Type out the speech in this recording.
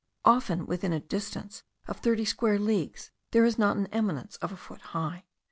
Often within a distance of thirty square leagues there is not an eminence of a foot high.